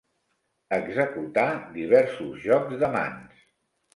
Executar diversos jocs de mans.